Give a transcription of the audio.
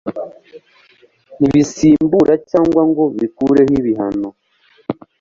ntibisimbura cyangwa ngo bikureho ibihano